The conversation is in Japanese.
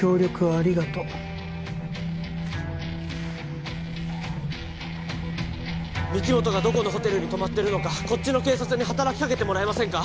ありがとう御木本がどこのホテルに泊まってるのかこっちの警察に働きかけてもらえませんか